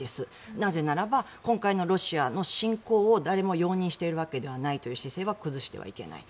なぜならば今回のロシアの侵攻を誰も容認しているわけではないという姿勢は崩してはいけない。